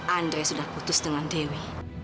andre sudah putus dengan dewi